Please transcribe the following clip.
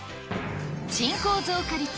人口増加率